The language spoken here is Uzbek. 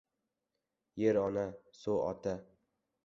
Yer — ona, suv — ota